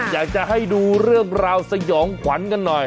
อยากจะให้ดูเรื่องราวสยองขวัญกันหน่อย